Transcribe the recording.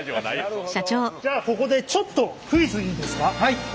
じゃあここでちょっとクイズいいですか？